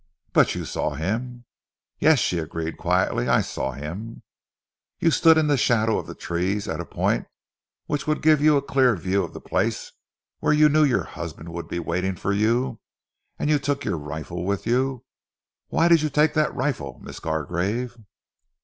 "But you saw him?" "Yes," she agreed quietly. "I saw him." "You stood in the shadow of the trees at a point which would give you a clear view of the place where you knew your husband would be waiting for you, and you took a rifle with you. Why did you take that rifle, Miss Gargrave?"